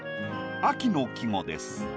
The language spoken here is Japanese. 秋の季語です。